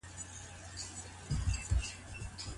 خاوند بايد د خپلي مېرمني پوهاوی لوړ کړي.